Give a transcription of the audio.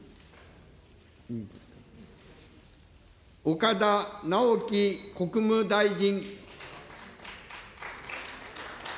岡田直樹国務大臣。